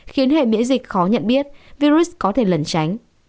khiến hệ miễn dịch khó nhận biết virus có thể lẩn tránh